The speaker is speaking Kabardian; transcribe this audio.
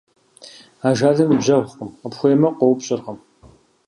Ажалыр ныбжьэгъукъым, къыпхуеймэ, къоупщӀыркъым.